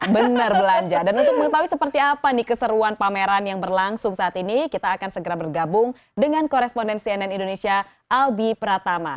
benar belanja dan untuk mengetahui seperti apa nih keseruan pameran yang berlangsung saat ini kita akan segera bergabung dengan koresponden cnn indonesia albi pratama